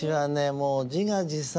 もう自画自賛